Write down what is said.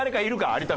有田